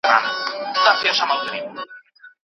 که نن شپه ډوډۍ نه وي، نو ماشومان به وږي ویده شي.